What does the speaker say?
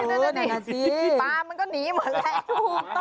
ปลามันก็หนีหมดแหละ